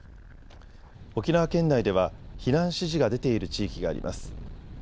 沖縄県内では避難指示が出ている地域があります。